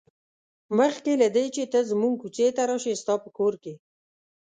مخکې له دې چې ته زموږ کوڅې ته راشې ستا په کور کې.